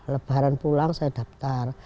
lebaran pulang saya daftar